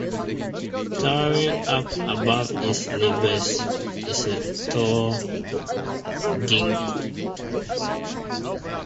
Towering up above its neighbors is a tall ginkgo.